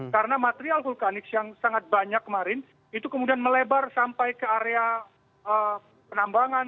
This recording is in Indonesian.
karena material vulkanis yang sangat banyak kemarin itu kemudian melebar sampai ke area penambangan